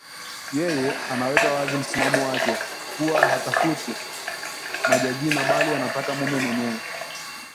Yeye anaweka wazi msimamo wake kuwa hatafuti majagina bali anataka mume mwenye